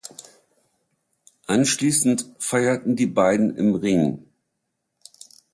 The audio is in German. Anschließend feierten die beiden im Ring.